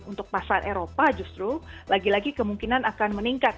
untuk pasar eropa justru lagi lagi kemungkinan akan meningkat